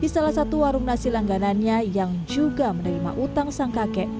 di salah satu warung nasi langganannya yang juga menerima utang sang kakek